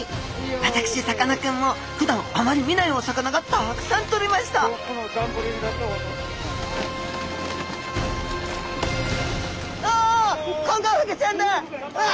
私さかなクンもふだんあまり見ないお魚がたくさん取れましたうわ